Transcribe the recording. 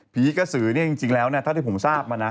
ผีกระสือเนี่ยจริงแล้วเท่าที่ผมทราบมานะ